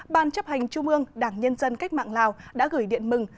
ban chấp hành trung ương đảng nhân dân cách mạng lào đã gửi điện mừng